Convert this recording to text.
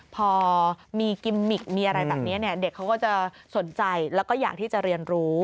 พอมีกิมมิกมีอะไรแบบนี้เนี่ยเด็กเขาก็จะสนใจแล้วก็อยากที่จะเรียนรู้